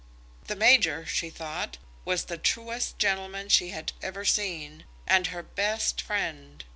The major, she thought, was the truest gentleman she had ever seen, and her best friend.